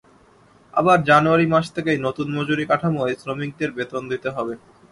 আবার জানুয়ারি মাস থেকেই নতুন মজুরি কাঠামোয় শ্রমিকদের বেতন দিতে হবে।